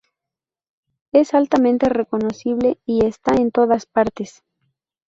Es altamente reconocible, y está "en todas partes.